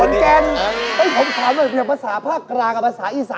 อย่างคนอีสานที่ตื่นขึ้นมาจัดการเรื่องเศร้าโศกเสียใจ